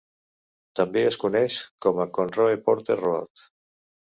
També es coneix com a Conroe Porter Road.